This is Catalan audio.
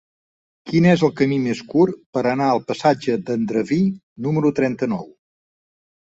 Quin és el camí més curt per anar al passatge d'Andreví número trenta-nou?